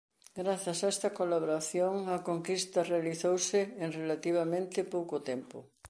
Grazas a esta colaboración la conquista realizouse en relativamente pouco tempo.